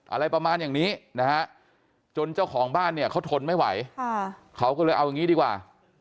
อะไรประมาณอย่างนี้นะฮะจนเจ้าของบ้านเนี่ยเขาทนไม่ไหวเขาก็เลยเอาอย่างนี้ดีกว่า